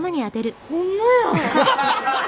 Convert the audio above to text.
ホンマや！